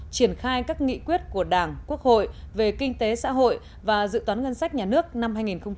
triển khai các nghị quyết của đảng quốc hội về kinh tế xã hội và dự toán ngân sách nhà nước năm hai nghìn hai mươi